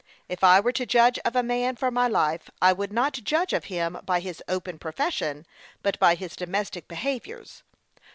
If I were to judge of a man for my life, I would not judge of him by his open profession, but by his domestic behaviours.